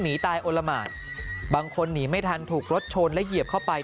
หนีตายโอละหมาดบางคนหนีไม่ทันถูกรถชนและเหยียบเข้าไป